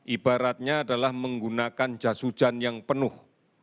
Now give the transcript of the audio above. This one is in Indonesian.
ibaratnya adalah menggunakan jasujan yang penuh